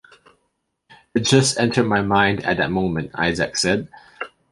It just entered my mind at that moment, Isaac said.